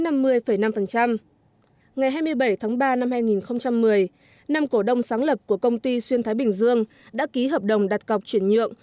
ngày hai mươi bảy tháng ba năm hai nghìn một mươi năm cổ đông sáng lập của công ty xuyên thái bình dương đã ký hợp đồng đặt cọc chuyển nhượng